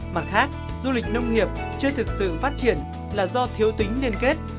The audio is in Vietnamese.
mặt khác du lịch nông nghiệp chưa thực sự phát triển là do thiếu tính liên kết